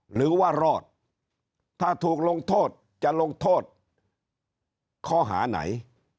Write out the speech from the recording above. หรือว่ารอดถ้าถูกลงโทษจะลงโทษข้อหาไหน